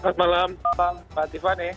selamat malam pak tifan